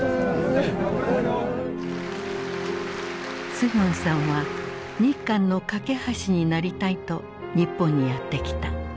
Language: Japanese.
スヒョンさんは日韓の懸け橋になりたいと日本にやって来た。